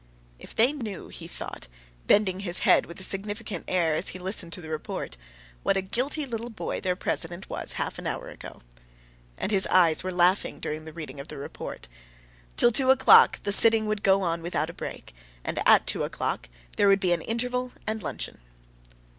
"If they knew," he thought, bending his head with a significant air as he listened to the report, "what a guilty little boy their president was half an hour ago." And his eyes were laughing during the reading of the report. Till two o'clock the sitting would go on without a break, and at two o'clock there would be an interval and luncheon.